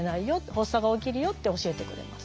発作が起きるよ」って教えてくれます。